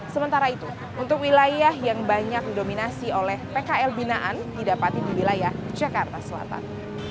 sementara itu untuk wilayah yang banyak didominasi oleh pkl binaan didapati di wilayah jakarta selatan